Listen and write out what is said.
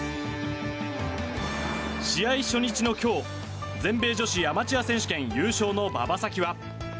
試合初日の今日全米女子アマチュア選手権優勝の馬場咲希は